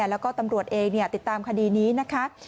แล้วก็ตำรวจเองติดตามคดีนี้นะคะ